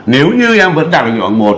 nếu như em vẫn đặt được nguyện vọng một